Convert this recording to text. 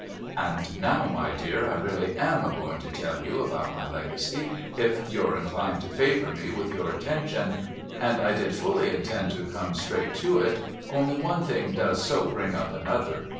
And now my dear I really am a going to tell you about my Legacy if you're inclined to favour me with your attention, and I did fully intend to have come straight to it only one thing does so bring up another.